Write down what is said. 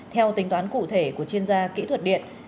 theo tính toán cụ thể của chuyên gia kỹ thuật điện